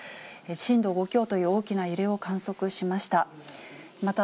震度５強という大きな揺れを観測しました。